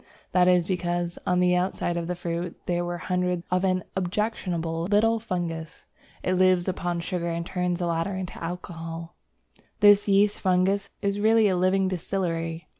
That is because, on the outside of the fruit, there were hundreds of an objectionable little fungus. It lives upon sugar and turns the latter into alcohol. This yeast fungus is really a living distillery.